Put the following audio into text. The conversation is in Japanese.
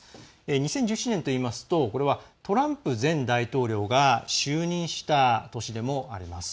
２０１７年といいますとトランプ前大統領が就任した年でもあります。